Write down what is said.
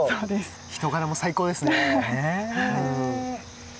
人柄も最高ですね。